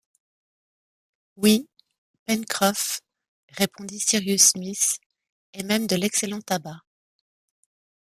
Oui, Pencroff, répondit Cyrus Smith, et même de l’excellent tabac